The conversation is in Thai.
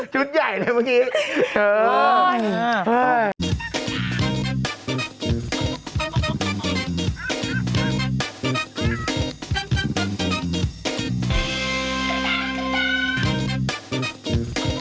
ชุดใหญ่เนี่ยเมื่อกี้